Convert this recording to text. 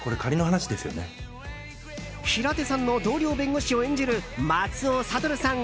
平手さんの同僚弁護士を演じる松尾諭さん